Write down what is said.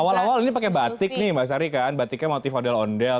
awal awal ini pakai batik nih mbak sari kan batiknya motif ondel ondel